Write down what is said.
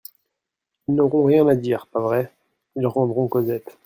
Ils n'auront rien à dire, pas vrai ? Ils rendront Cosette.